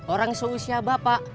orang seusia bapak